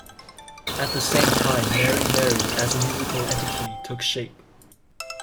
At the same time, Mary Mary as a musical entity took shape.